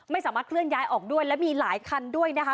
ไม่สามารถเคลื่อนย้ายออกด้วยและมีหลายคันด้วยนะคะ